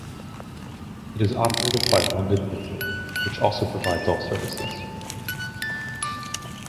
It is operated by London Midland, which also provides all services.